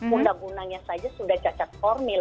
undang undangnya saja sudah cacat formil